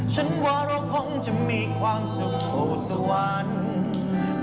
ฉันว่าเราคงจะมีความสุขสู่สวรรค์